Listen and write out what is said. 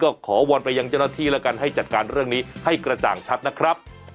ก็ขอวอนไปยังเจ้าหน้าที่แล้วกันให้จัดการเรื่องนี้ให้กระจ่างชัดนะครับ